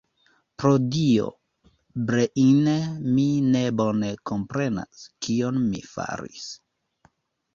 Pro Dio, Breine, mi ne bone komprenas, kion mi faris.